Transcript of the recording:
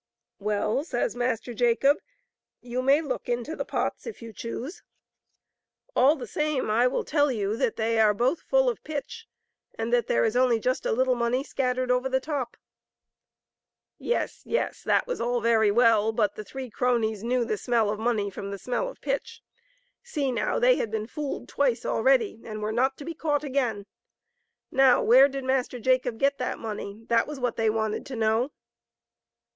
" Well, says Master Jacob, "you may look into the pots if you choose; the 9^a)e(ter^aFO|blob atibbloto t9t little tin trumpet dbtr^blacbgodt 172 MASTER JACOB. all the same, I will tell you that they are both full of pitch, and that there is only just a little money scattered over the top. Yes, yes; that was all very well, but the three cronies knew the smell of money from the smell of pitch. See now, they had been Fooled twice already, and were not to be caught again. Now, where did Master Jacob get that money, that was what they wanted to know.